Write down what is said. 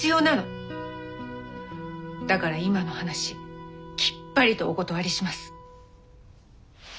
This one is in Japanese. だから今の話きっぱりとお断りします。